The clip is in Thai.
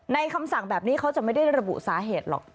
คำสั่งแบบนี้เขาจะไม่ได้ระบุสาเหตุหรอก